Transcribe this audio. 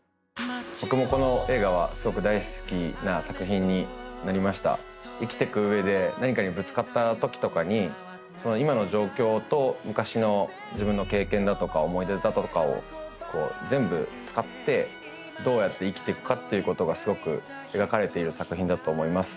僕もこの映画はすごく大好きな作品になりました生きてくうえで何かにぶつかった時とかにその今の状況と昔の自分の経験だとか思い出だとかをこう全部使ってどうやって生きてくかってことがすごく描かれてる作品だと思います